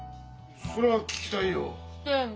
そりゃ聞きたいよ。